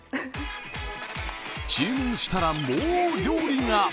注文したらもう料理が！